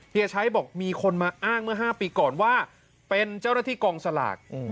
ใช้บอกมีคนมาอ้างเมื่อ๕ปีก่อนว่าเป็นเจ้าหน้าที่กองสลาก